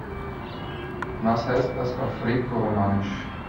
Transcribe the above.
Was heißt das auf Rätoromanisch?